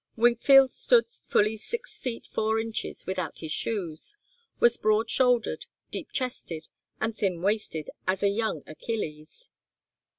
Wingfield stood fully six feet four inches without his shoes, was broad shouldered, deep chested, and thin waisted as a young Achilles.